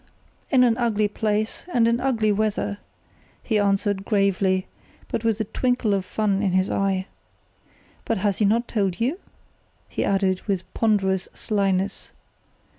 "In an ugly place, and in ugly weather," he answered, gravely, but with a twinkle of fun in his eye. "But has he not told you?" he added, with ponderous slyness.